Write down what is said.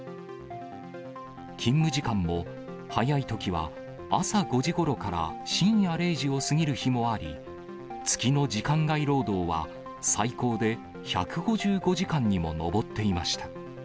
勤務時間も、早いときは朝５時ごろから深夜０時を過ぎる日もあり、月の時間外労働は最高で１５５時間にも上っていました。